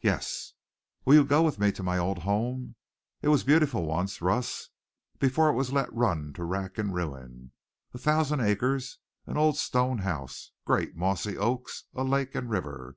"Yes." "Will you go with me to my old home? It was beautiful once, Russ, before it was let run to rack and ruin. A thousand acres. An old stone house. Great mossy oaks. A lake and river.